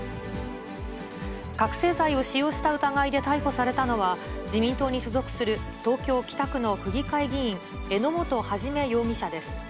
覚醒剤を使用した疑いで逮捕されたのは、自民党に所属する東京・北区の区議会議員、榎本一容疑者です。